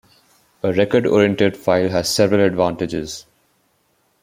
A record oriented file has several advantages.